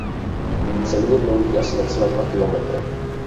Celý je dlouhý asi necelé dva kilometry.